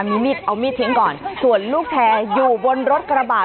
มีมีดเอามีดทิ้งก่อนส่วนลูกแชร์อยู่บนรถกระบาด